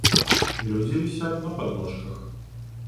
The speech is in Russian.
Люди висят на подножках.